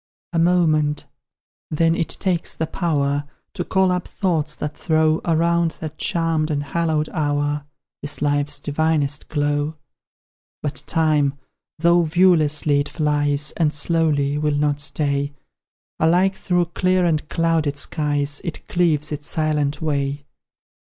A moment, then, it takes the power To call up thoughts that throw Around that charmed and hallowed hour, This life's divinest glow. But Time, though viewlessly it flies, And slowly, will not stay; Alike, through clear and clouded skies, It cleaves its silent way.